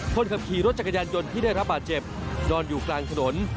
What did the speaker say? คนขับขี่รถจักรยานยนต์ที่ได้รับบาดเจ็บนอนอยู่กลางถนน